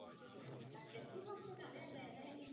Celý seznam je k dispozici.